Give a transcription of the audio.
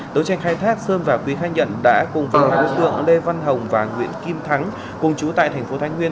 đối tranh khai thác sơn và quý khai nhận đã cùng với đối tượng lê văn hồng và nguyễn kim thắng cùng chú tại thành phố thái nguyên